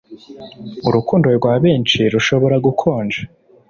urukundo rwa benshi rushobora gukonja